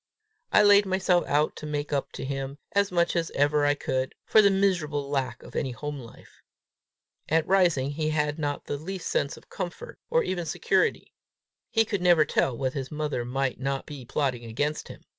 I laid myself out to make up to him, as much as ever I could, for the miserable lack of any home life. At Rising he had not the least sense of comfort or even security. He could never tell what his mother might not be plotting against him.